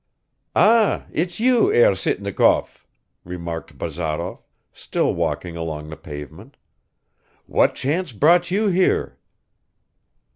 "Ah, it's you, Herr Sitnikov," remarked Bazarov, still walking along the pavement. "What chance brought you here?"